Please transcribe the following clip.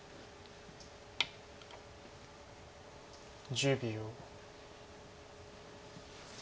１０秒。